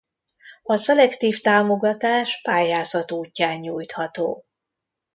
A szelektív támogatás pályázat útján nyújtható.